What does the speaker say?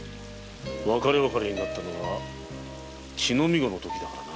別れ別れになったのが乳飲み児のときだからな。